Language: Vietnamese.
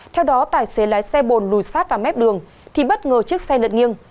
theo đó tài xế lái xe bồn lùi sát vào mép đường thì bất ngờ chiếc xe lật nghiêng